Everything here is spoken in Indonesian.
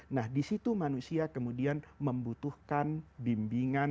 nah di situ manusia kemudian membutuhkan bimbingan